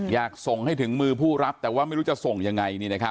อยากส่งให้ถึงมือผู้รับแต่ว่าไม่รู้จะส่งยังไง